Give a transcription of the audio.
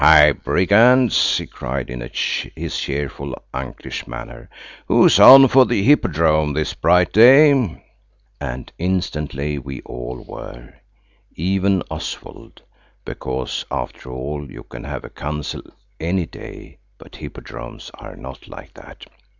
"Hi, brigands!" he cried in his cheerful unclish manner. "Who's on for the Hippodrome this bright day?" "HI, BRIGANDS!" HE CRIED. And instantly we all were. Even Oswald–because after all you can have a council any day, but Hippodromes are not like that.